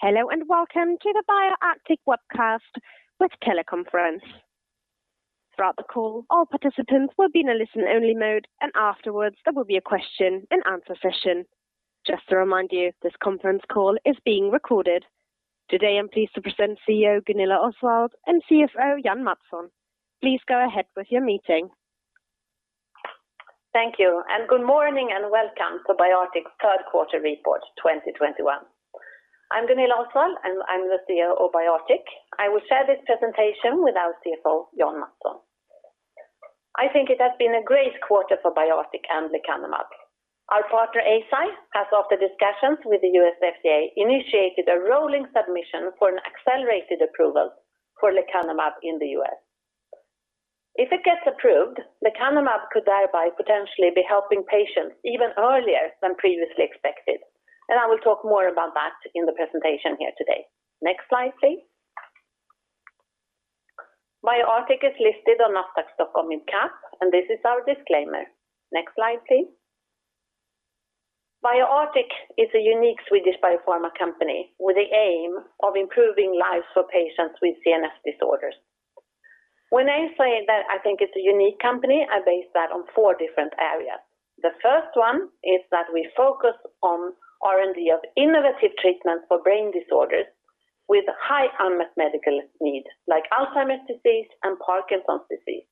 Hello, and welcome to the BioArctic webcast with teleconference. Throughout the call, all participants will be in a listen-only mode, and afterwards, there will be a question and answer session. Just to remind you, this conference call is being recorded. Today, I'm pleased to present CEO Gunilla Osswald and CFO Jan Mattsson. Please go ahead with your meeting. Thank you. Good morning. Welcome to BioArctic's Q3 report 2021. I'm Gunilla Osswald. I'm the CEO of BioArctic. I will share this presentation with our CFO, Jan Mattsson. I think it has been a great quarter for BioArctic and lecanemab. Our partner, Eisai, has offered discussions with the U.S. FDA, initiated a rolling submission for an accelerated approval for lecanemab in the U.S. If it gets approved, lecanemab could thereby potentially be helping patients even earlier than previously expected. I will talk more about that in the presentation here today. Next slide, please. BioArctic is listed on Nasdaq Stockholm in Mid Cap. This is our disclaimer. Next slide, please. BioArctic is a unique Swedish biopharma company with the aim of improving lives for patients with CNS disorders. When I say that I think it's a unique company, I base that on four different areas. The first one is that we focus on R&D of innovative treatment for brain disorders with high unmet medical need, like Alzheimer's disease and Parkinson's disease.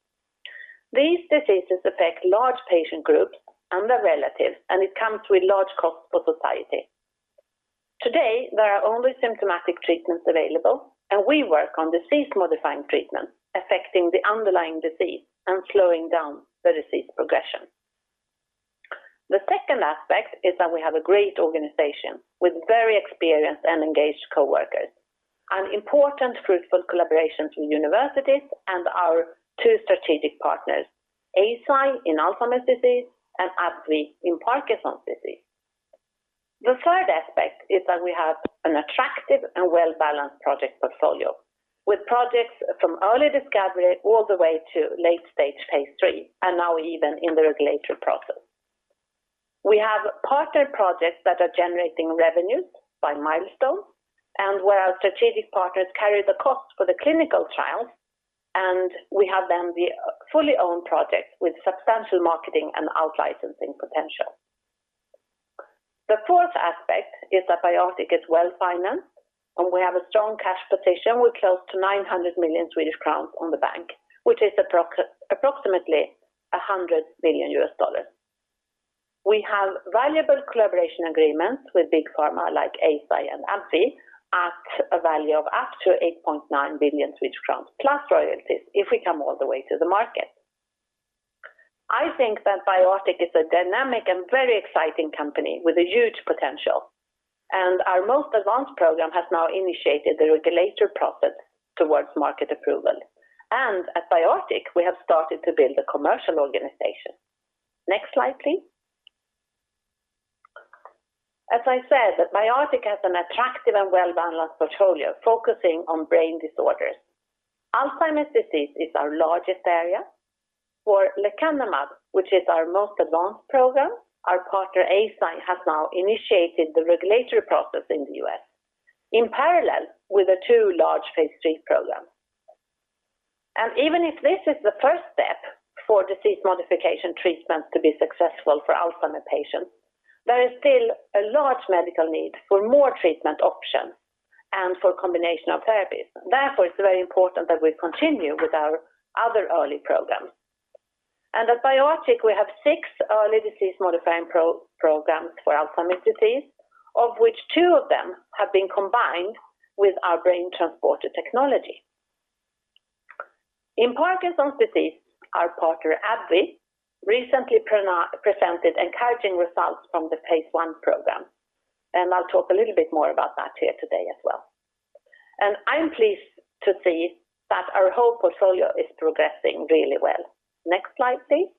These diseases affect large patient groups and their relatives. It comes with large cost for society. Today, there are only symptomatic treatments available. We work on disease-modifying treatment affecting the underlying disease and slowing down the disease progression. The second aspect is that we have a great organization with very experienced and engaged coworkers. Important fruitful collaborations with universities and our two strategic partners, Eisai in Alzheimer's disease and AbbVie in Parkinson's disease. The third aspect is that we have an attractive and well-balanced project portfolio with projects from early discovery all the way to late stage phase III. Now even in the regulatory process. We have partner projects that are generating revenues by milestone and where our strategic partners carry the cost for the clinical trials, and we have then the fully owned project with substantial marketing and out-licensing potential. The fourth aspect is that BioArctic is well-financed, and we have a strong cash position with close to 900 million Swedish crowns on the bank, which is approximately $100 million. We have valuable collaboration agreements with big pharma like Eisai and AbbVie at a value of up to 8.9 billion crowns, plus royalties if we come all the way to the market. I think that BioArctic is a dynamic and very exciting company with a huge potential. Our most advanced program has now initiated the regulatory process towards market approval. At BioArctic, we have started to build a commercial organization. Next slide, please. As I said, BioArctic has an attractive and well-balanced portfolio focusing on brain disorders. Alzheimer's disease is our largest area. For lecanemab, which is our most advanced program, our partner, Eisai, has now initiated the regulatory process in the U.S. in parallel with the two large phase III programs. Even if this is the first step for disease modification treatments to be successful for Alzheimer's patients, there is still a large medical need for more treatment options and for a combination of therapies. Therefore, it's very important that we continue with our other early programs. At BioArctic, we have six early disease-modifying programs for Alzheimer's disease, of which two of them have been combined with our BrainTransporter technology. In Parkinson's disease, our partner, AbbVie, recently presented encouraging results from the phase I program, and I'll talk a little bit more about that here today as well. I'm pleased to see that our whole portfolio is progressing really well. Next slide, please.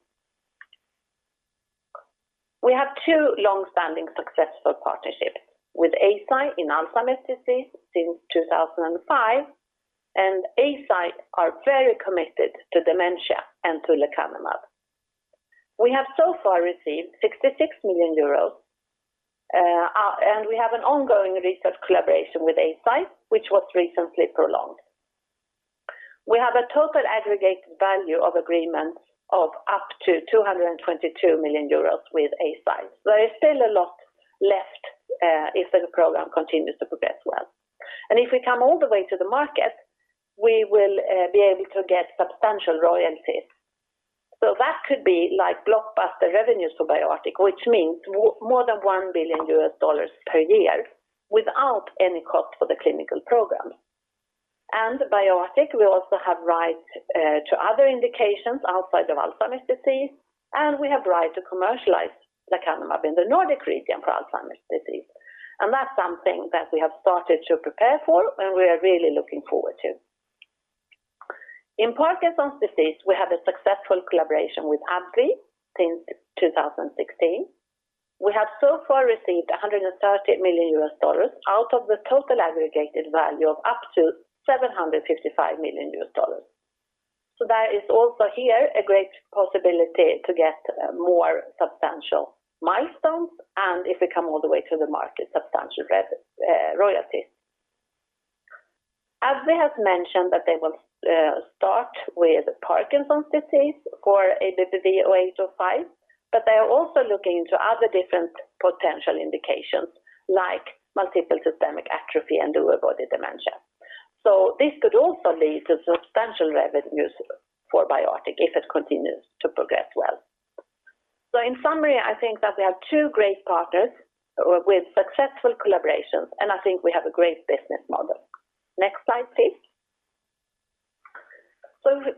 We have two longstanding successful partnerships with Eisai in Alzheimer's disease since 2005, and Eisai are very committed to dementia and to lecanemab. We have so far received 66 million euros, and we have an ongoing research collaboration with Eisai, which was recently prolonged. We have a total aggregate value of agreements of up to 222 million euros with Eisai. There is still a lot left, if the program continues to progress well. If we come all the way to the market, we will be able to get substantial royalties. That could be like blockbuster revenues for BioArctic, which means more than $1 billion per year without any cost for the clinical programs. BioArctic will also have rights to other indications outside of Alzheimer's disease, and we have the right to commercialize lecanemab in the Nordic region for Alzheimer's disease. That's something that we have started to prepare for and we are really looking forward to. In Parkinson's disease, we have a successful collaboration with AbbVie since 2016. We have so far received $130 million out of the total aggregated value of up to $755 million. There is also here a great possibility to get more substantial milestones and if we come all the way to the market, substantial revenue royalties. AbbVie has mentioned that they will start with Parkinson's disease for ABBV-0805, but they are also looking into other different potential indications like multiple system atrophy and Lewy body dementia. This could also lead to substantial revenues for BioArctic if it continues to progress well. In summary, I think that we have two great partners with successful collaborations, and I think we have a great business model. Next slide, please.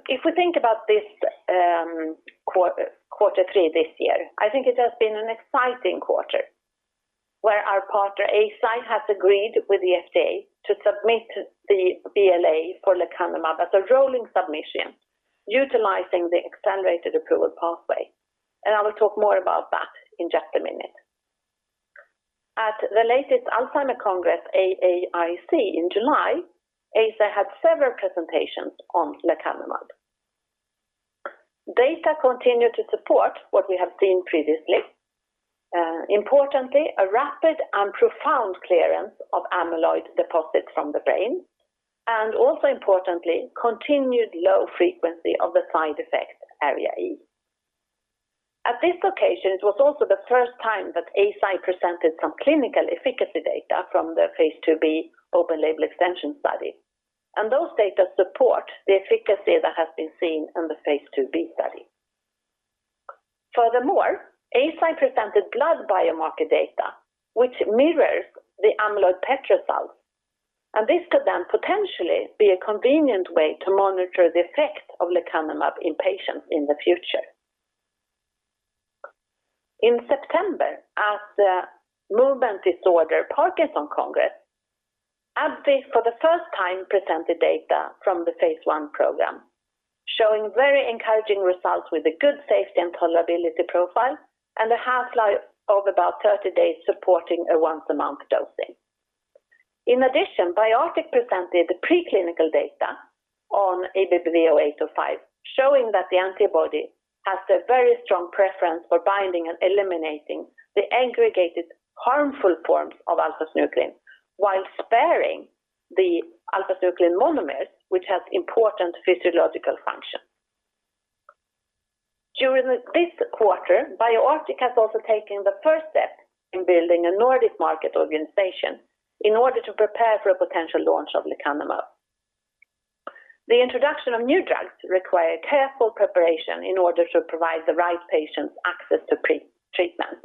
If we think about this Q3 this year, I think it has been an exciting quarter where our partner, Eisai, has agreed with the FDA to submit the BLA for lecanemab as a rolling submission utilizing the accelerated approval pathway. I will talk more about that in just a minute. At the latest Alzheimer's Congress, AAIC, in July, Eisai had several presentations on lecanemab. Data continue to support what we have seen previously. Importantly, a rapid and profound clearance of amyloid deposits from the brain, and also importantly, continued low frequency of the side effects ARIA-E. At this occasion, it was also the first time that Eisai presented some clinical efficacy data from the Phase II-B open label extension study, and those data support the efficacy that has been seen in the Phase II-B study. Furthermore, Eisai presented blood biomarker data which mirrors the amyloid PET results, and this could then potentially be a convenient way to monitor the effect of lecanemab in patients in the future. In September, at the Movement Disorder Parkinson Congress, AbbVie for the first time presented data from the phase I program, showing very encouraging results with a good safety and tolerability profile and a half-life of about 30 days supporting a once a month dosing. In addition, BioArctic presented preclinical data on ABBV-0805, showing that the antibody has a very strong preference for binding and eliminating the aggregated harmful forms of alpha-synuclein while sparing the alpha-synuclein monomers, which has important physiological function. During this quarter, BioArctic has also taken the first step in building a Nordic market organization in order to prepare for a potential launch of lecanemab. The introduction of new drugs require careful preparation in order to provide the right patients access to treatment.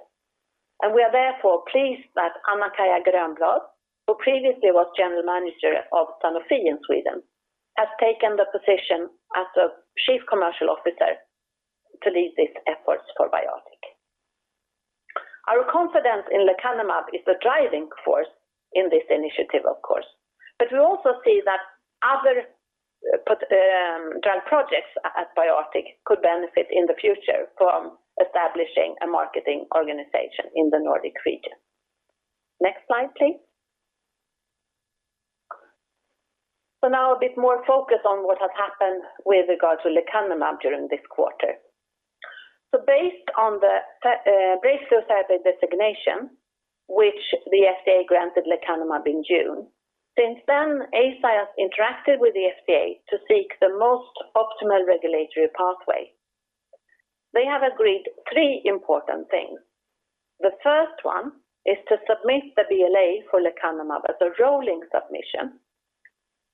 We are therefore pleased that Anna-Kaija Grönblad, who previously was General Manager of Sanofi in Sweden, has taken the position as the Chief Commercial Officer to lead these efforts for BioArctic. Our confidence in lecanemab is the driving force in this initiative, of course. We also see that other drug projects at BioArctic could benefit in the future from establishing a marketing organization in the Nordic region. Next slide, please. Now a bit more focus on what has happened with regard to lecanemab during this quarter. Based on the breakthrough therapy designation which the FDA granted lecanemab in June, since then, Eisai has interacted with the FDA to seek the most optimal regulatory pathway. They have agreed three important things. The first one is to submit the BLA for lecanemab as a rolling submission.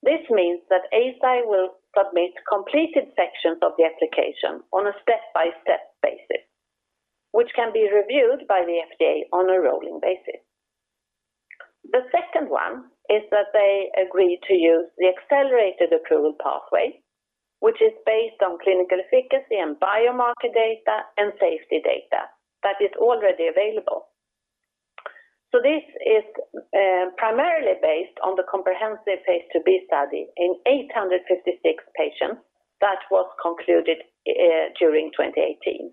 This means that Eisai will submit completed sections of the application on a step-by-step basis, which can be reviewed by the FDA on a rolling basis. The second one is that they agree to use the accelerated approval pathway, which is based on clinical efficacy and biomarker data and safety data that is already available. This is primarily based on the comprehensive phase IIb study in 856 patients that was concluded during 2018.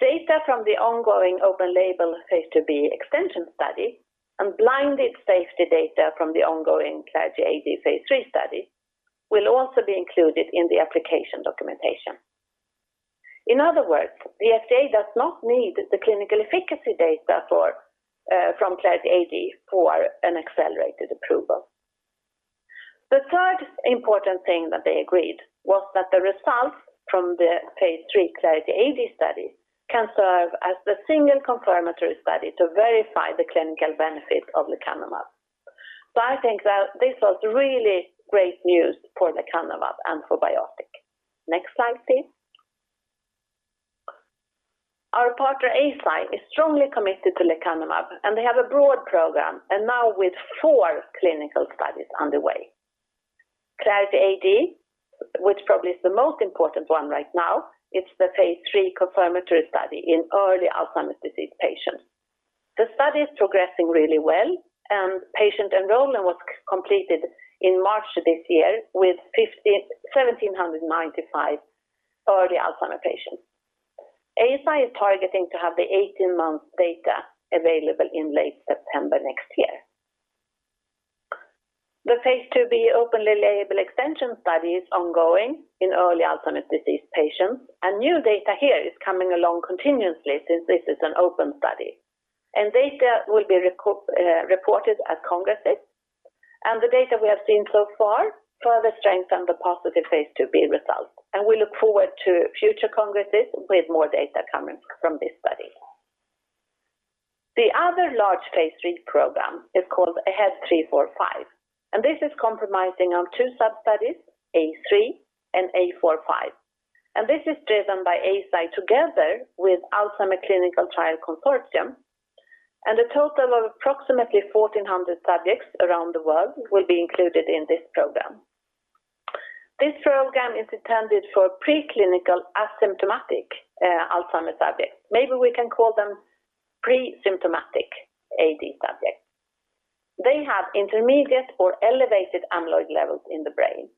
Data from the ongoing open label Phase IIb extension study and blinded safety data from the ongoing Clarity AD Phase III study will also be included in the application documentation. In other words, the FDA does not need the clinical efficacy data from Clarity AD for an accelerated approval. The third important thing that they agreed was that the results from the Phase III Clarity AD study can serve as the single confirmatory study to verify the clinical benefit of lecanemab. I think that this was really great news for lecanemab and for BioArctic. Next slide, please. Our partner, Eisai, is strongly committed to lecanemab, and they have a broad program and now with four clinical studies underway. Clarity AD, which probably is the most important one right now. It's the Phase III confirmatory study in early Alzheimer's disease patients. The study is progressing really well, and patient enrollment was completed in March of this year with 1,795 early Alzheimer patients. Eisai is targeting to have the 18-month data available in late September next year. The Phase IIb open-label extension study is ongoing in early Alzheimer's disease patients, and new data here is coming along continuously since this is an open study. Data will be reported at congresses. The data we have seen so far further strengthen the positive Phase II-B results. We look forward to future congresses with more data coming from this study. The other large Phase III program is called AHEAD 3-45, and this is comprising of two sub-studies, A3 and A45. This is driven by Eisai together with Alzheimer's Clinical Trials Consortium. A total of approximately 1,400 subjects around the world will be included in this program. This program is intended for preclinical asymptomatic Alzheimer's subjects. Maybe we can call them pre-symptomatic AD subjects. They have intermediate or elevated amyloid levels in the brain.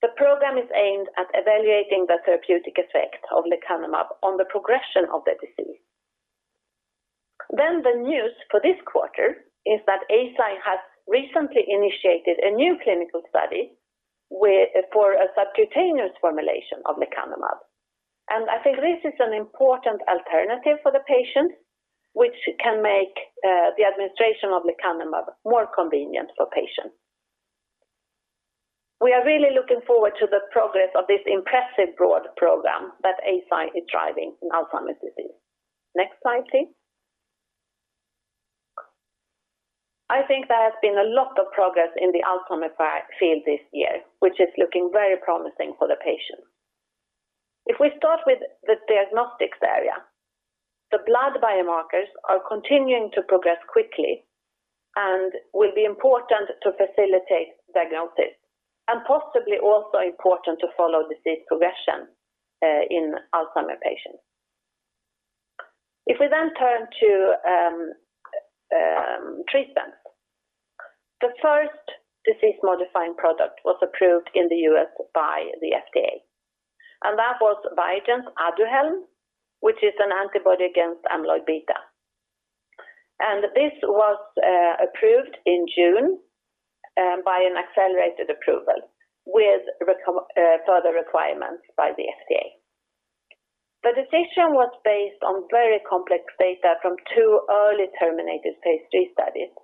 The program is aimed at evaluating the therapeutic effect of lecanemab on the progression of the disease. The news for this quarter is that Eisai has recently initiated a new clinical study for a subcutaneous formulation of lecanemab. I think this is an important alternative for the patient, which can make the administration of lecanemab more convenient for patients. We are really looking forward to the progress of this impressive broad program that Eisai is driving in Alzheimer's disease. Next slide, please. I think there has been a lot of progress in the Alzheimer's field this year, which is looking very promising for the patients. If we start with the diagnostics area, the blood biomarkers are continuing to progress quickly and will be important to facilitate diagnosis, and possibly also important to follow disease progression in Alzheimer patients. If we then turn to treatment, the first disease-modifying product was approved in the U.S. by the FDA. That was Biogen's ADUHELM, which is an antibody against amyloid beta. This was approved in June by an accelerated approval with further requirements by the FDA. The decision was based on very complex data from two early terminated Phase III studies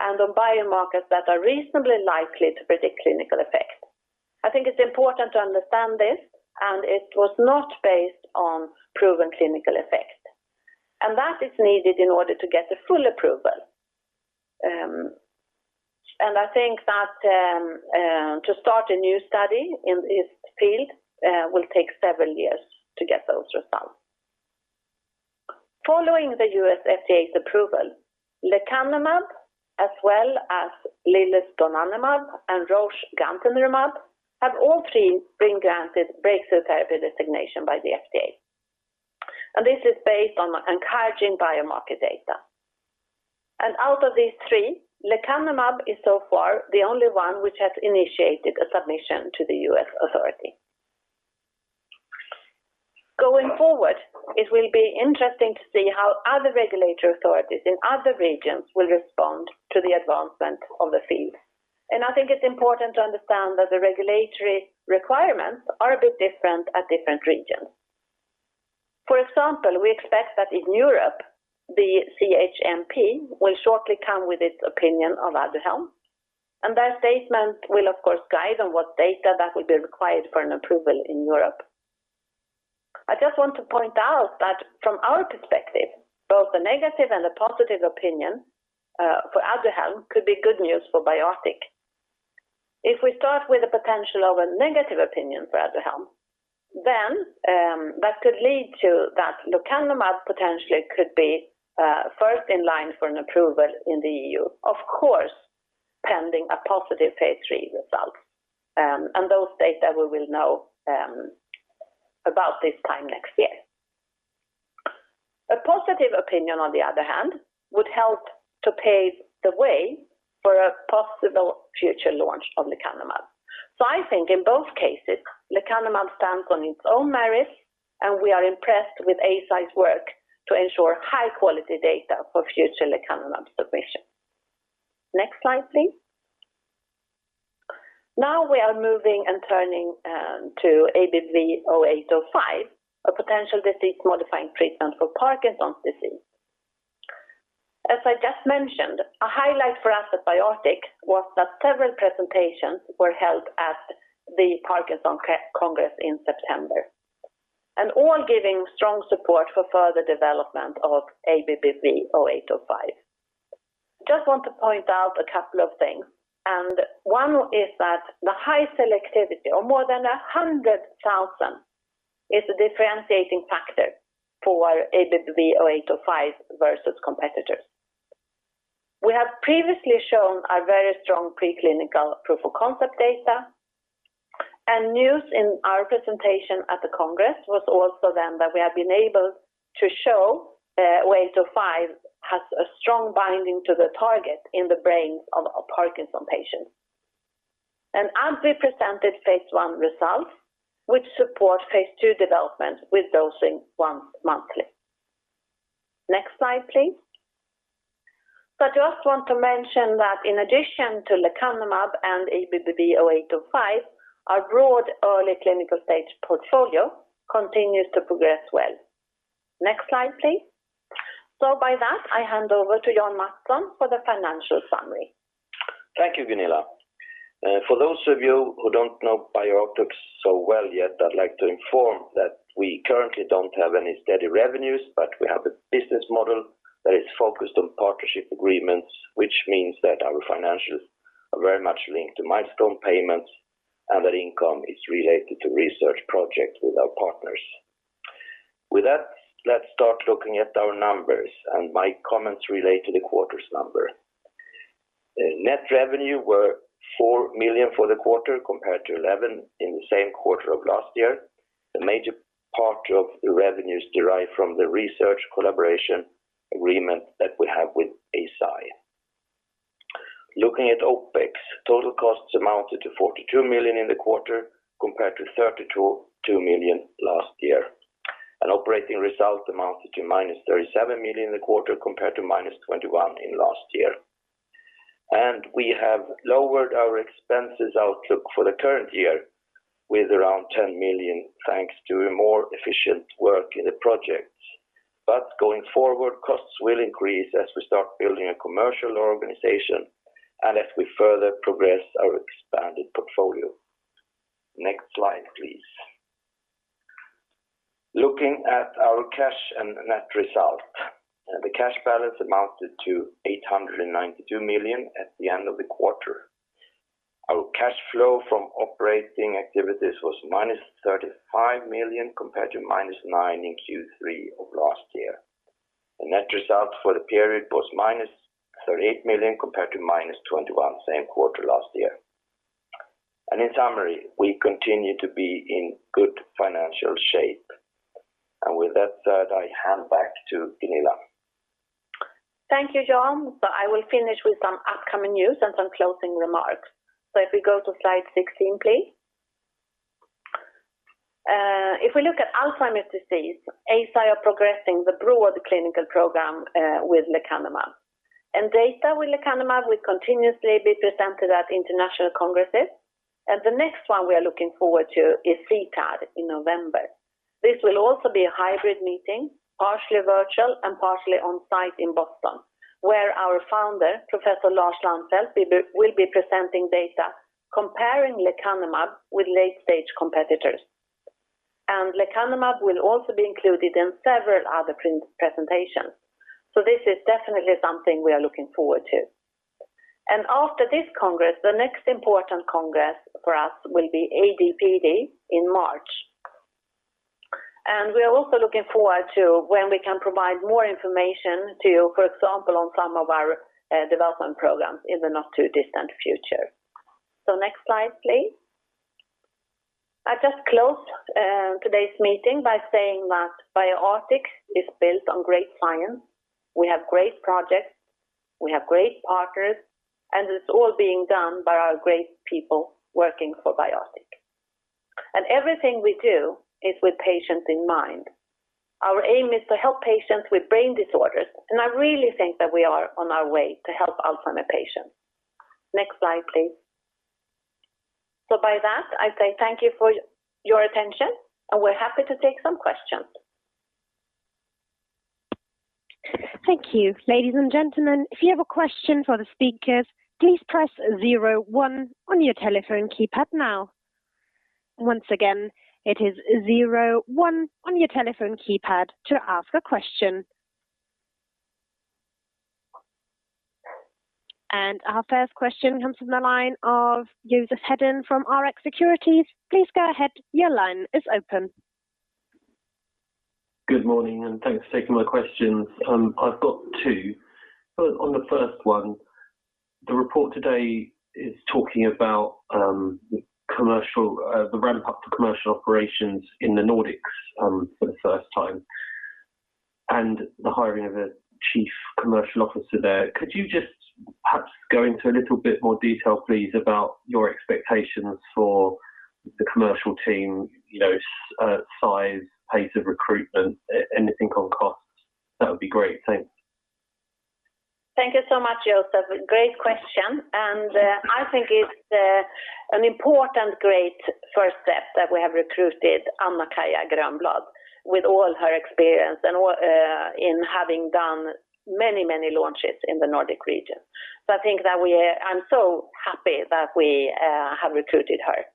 and on biomarkers that are reasonably likely to predict clinical effect. I think it's important to understand this, it was not based on proven clinical effect. That is needed in order to get a full approval. I think that to start a new study in this field will take several years to get those results. Following the U.S. FDA's approval, lecanemab as well as Eli Lilly's donanemab and Roche's gantenerumab have all three been granted breakthrough therapy designation by the FDA. This is based on encouraging biomarker data. Out of these three, lecanemab is so far the only one which has initiated a submission to the U.S. authority. Going forward, it will be interesting to see how other regulatory authorities in other regions will respond to the advancement of the field. I think it's important to understand that the regulatory requirements are a bit different at different regions. For example, we expect that in Europe, the CHMP will shortly come with its opinion on ADUHELM. That statement will, of course, guide on what data that will be required for an approval in the EU. I just want to point out that from our perspective, both the negative and the positive opinion for ADUHELM could be good news for BioArctic. If we start with the potential of a negative opinion for ADUHELM, then that could lead to that lecanemab potentially could be first in line for an approval in the EU, of course, pending a positive phase III result. Those data we will know about this time next year. A positive opinion, on the other hand, would help to pave the way for a possible future launch of lecanemab. I think in both cases, lecanemab stands on its own merits, and we are impressed with Eisai's work to ensure high-quality data for future lecanemab submission. Next slide, please. Now we are moving and turning to ABBV-0805, a potential disease-modifying treatment for Parkinson's disease. As I just mentioned, a highlight for us at BioArctic was that several presentations were held at the Parkinson's Congress in September. All giving strong support for further development of ABBV-0805. Just want to point out a couple of things. One is that the high selectivity of more than 100,000 is a differentiating factor for ABBV-0805 versus competitors. We have previously shown a very strong preclinical proof of concept data. News in our presentation at the congress was also then that we have been able to show 0805 has a strong binding to the target in the brains of Parkinson's patients. As we presented Phase I results, which support Phase II development with dosing once monthly. Next slide, please. I just want to mention that in addition to lecanemab and ABBV-0805, our broad early clinical stage portfolio continues to progress well. Next slide, please. With that, I hand over to Jan Mattsson for the financial summary. Thank you, Gunilla. For those of you who don't know BioArctic so well yet, I'd like to inform that we currently don't have any steady revenues, but we have a business model that is focused on partnership agreements, which means that our financials are very much linked to milestone payments and that income is related to research projects with our partners. With that, let's start looking at our numbers, my comments relate to the quarter's number. Net revenue was 4 million for the quarter compared to 11 million in the same quarter of last year. The major part of the revenues derived from the research collaboration agreement that we have with Eisai. Looking at OpEx, total costs amounted to 42 million in the quarter compared to 32 million last year. Operating results amounted to -37 million in the quarter compared to -21 million in last year. We have lowered our expenses outlook for the current year with around 10 million, thanks to a more efficient work in the projects. Going forward, costs will increase as we start building a commercial organization and as we further progress our expanded portfolio. Next slide, please. Looking at our cash and net result. The cash balance amounted to 892 million at the end of the quarter. Our cash flow from operating activities was -35 million compared to -9 million in Q3 of last year. The net result for the period was -38 million compared to -21 million same quarter last year. In summary, we continue to be in good financial shape. With that said, I hand back to Gunilla. Thank you, Jan. I will finish with some upcoming news and some closing remarks. If we go to slide 16, please. If we look at Alzheimer's disease, Eisai are progressing the broad clinical program with lecanemab. Data with lecanemab will continuously be presented at international congresses. The next one we are looking forward to is CTAD in November. This will also be a hybrid meeting, partially virtual and partially on site in Boston, where our founder, Professor Lars Lannfelt, will be presenting data comparing lecanemab with late-stage competitors. Lecanemab will also be included in several other presentations. This is definitely something we are looking forward to. After this congress, the next important congress for us will be AD/PD in March. We are also looking forward to when we can provide more information to you, for example, on some of our development programs in the not-too-distant future. Next slide, please. I just close today's meeting by saying that BioArctic is built on great science. We have great projects. We have great partners. It's all being done by our great people working for BioArctic. Everything we do is with patients in mind. Our aim is to help patients with brain disorders, and I really think that we are on our way to help Alzheimer patients. Next slide, please. With that, I say thank you for your attention, and we're happy to take some questions. Thank you. Ladies and gentlemen, if you have a question for the speakers, please press zero one on your telephone keypad now. Once again, it is zero one on your telephone keypad to ask a question. Our first question comes from the line of Joseph Hedden from Rx Securities. Please go ahead. Your line is open. Good morning. Thanks for taking my questions. I've got two. On the first one, the report today is talking about the ramp up to commercial operations in the Nordics for the first time and the hiring of a chief commercial officer there. Could you just perhaps go into a little bit more detail, please, about your expectations for the commercial team size, pace of recruitment, anything on costs? That would be great. Thanks. Thank you so much, Joseph. Great question. I think it's an important great first step that we have recruited Anna-Kaija Grönblad with all her experience in having done many launches in the Nordic region. I'm so happy that we have recruited her.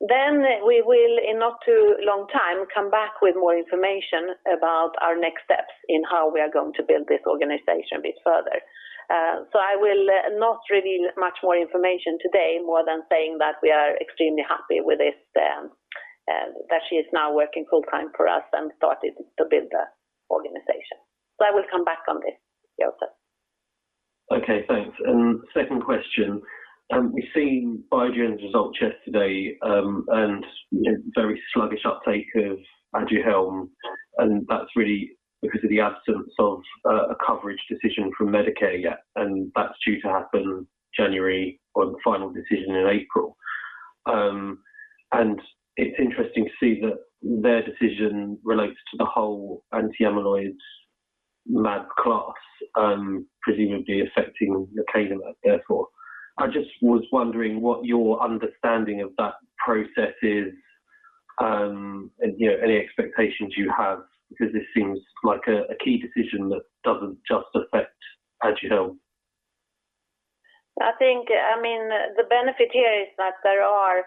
We will, in not too long time, come back with more information about our next steps in how we are going to build this organization a bit further. I will not reveal much more information today more than saying that we are extremely happy with this, that she is now working full time for us and started to build the organization. I will come back on this, Joseph. Okay, thanks. Second question. We've seen Biogen's results yesterday and very sluggish uptake of ADUHELM. That's really because of the absence of a coverage decision from Medicare yet, and that's due to happen January, or the final decision in April. It's interesting to see that their decision relates to the whole anti-amyloid mAb class, presumably affecting lecanemab, therefore. I just was wondering what your understanding of that process is, and any expectations you have, because this seems like a key decision that doesn't just affect ADUHELM. I think the benefit here is that there are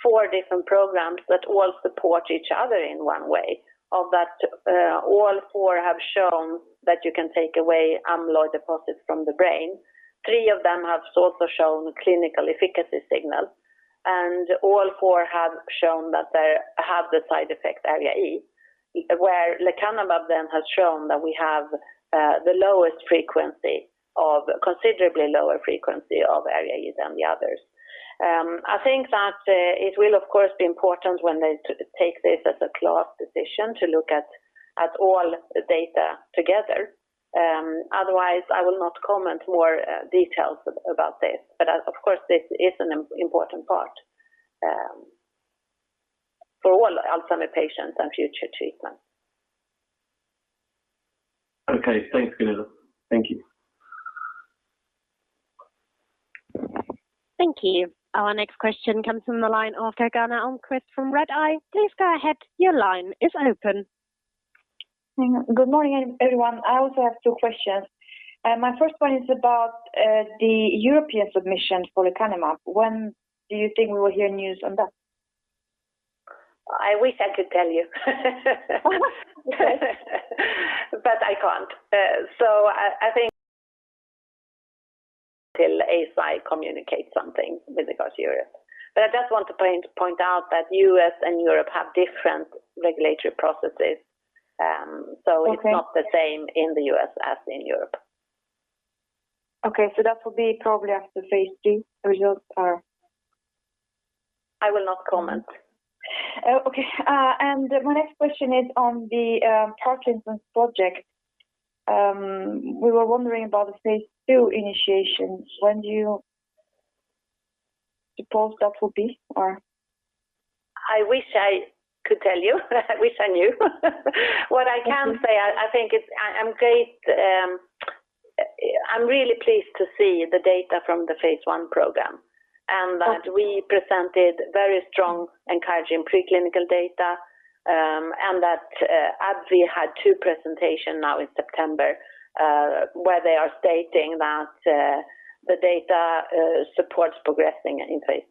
four different programs that all support each other in one way, of that all four have shown that you can take away amyloid deposits from the brain. Three of them have also shown clinical efficacy signals. All four have shown that they have the side effect ARIA-E, where lecanemab then has shown that we have the lowest frequency, or considerably lower frequency of ARIA-E than the others. I think that it will of course be important when they take this as a class decision to look at all the data together. Otherwise, I will not comment more details about this. Of course, this is an important part for all Alzheimer's patients and future treatment. Okay. Thanks, Gunilla. Thank you. Thank you. Our next question comes from the line of Åsa Almquist from Redeye. Please go ahead. Your line is open. Good morning, everyone. I also have two questions. My first one is about the European submission for lecanemab. When do you think we will hear news on that? I wish I could tell you. Okay. I can't. I think till Eisai communicates something with regard to Europe. I just want to point out that U.S. and Europe have different regulatory processes. Okay. It's not the same in the U.S. as in Europe. Okay, that will be probably after Phase III results are. I will not comment. Oh, okay. My next question is on the Parkinson's project. We were wondering about the phase II initiations. When do you suppose that will be? I wish I could tell you. I wish I knew. What I can say, I think I'm really pleased to see the data from the phase I program, and that we presented very strong encouraging preclinical data, and that AbbVie had two presentations now in September, where they are stating that the data supports progressing in Phase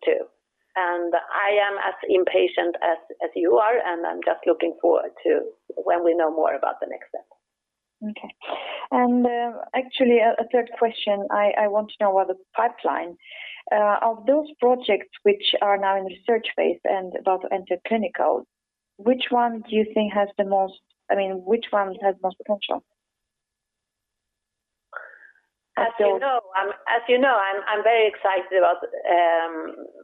II. I am as impatient as you are, and I'm just looking forward to when we know more about the next step. Okay. Actually, a third question. I want to know about the pipeline. Of those projects which are now in the search phase and about to enter clinical, which one do you think has the most potential? As you know, I'm very excited about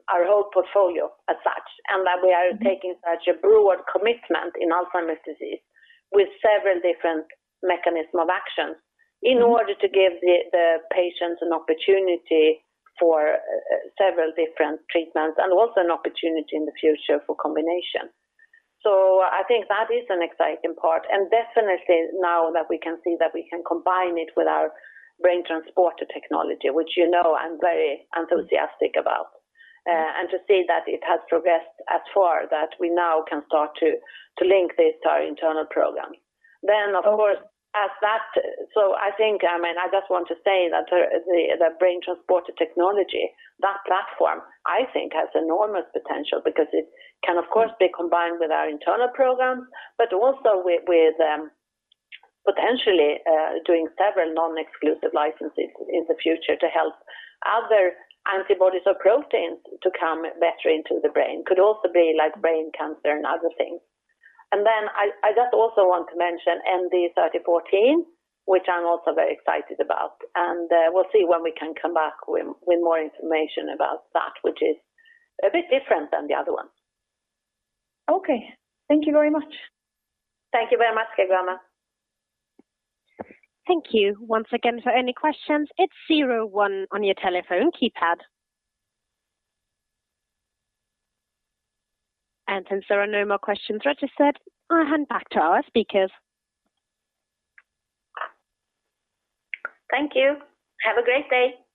our whole portfolio as such, and that we are taking such a broad commitment in Alzheimer's disease with several different mechanism of actions in order to give the patients an opportunity for several different treatments and also an opportunity in the future for combination. I think that is an exciting part. Definitely now that we can see that we can combine it with our BrainTransporter technology, which you know I'm very enthusiastic about. To see that it has progressed as far that we now can start to link this to our internal program. I think, I just want to say that the BrainTransporter technology, that platform I think has enormous potential because it can, of course, be combined with our internal programs, but also with potentially doing several non-exclusive licenses in the future to help other antibodies or proteins to come better into the brain. Could also be like brain cancer and other things. I just also want to mention ND3014, which I'm also very excited about. We'll see when we can come back with more information about that, which is a bit different than the other ones. Okay. Thank you very much. Thank you very much, Åsa. Thank you. Once again, for any questions, it's zero one on your telephone keypad. Since there are no more questions registered, I'll hand back to our speakers. Thank you. Have a great day.